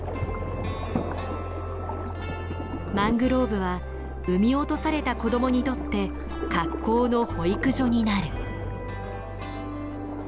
マングローブは産み落とされた子供にとって格好の保育所になる。